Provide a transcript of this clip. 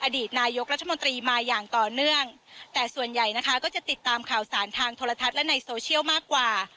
อดีตนายกรัฐมนตรีมาอย่างต่อเนื่องแต่ส่วนใหญ่นะคะก็จะติดตามข่าวสารทางโทรทัศน์และในโซเชียลมากกว่า